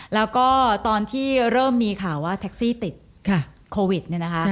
แล้วก็ตอนที่เริ่มมีข่าวว่าแท็กซี่ติดโควิดเนี่ยนะคะ